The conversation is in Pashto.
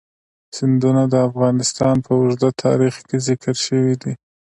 سیندونه د افغانستان په اوږده تاریخ کې ذکر شوی دی.